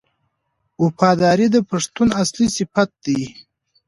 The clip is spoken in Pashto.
وفاداري د پښتون اصلي صفت دی.